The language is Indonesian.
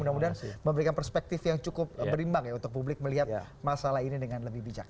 mudah mudahan memberikan perspektif yang cukup berimbang ya untuk publik melihat masalah ini dengan lebih bijak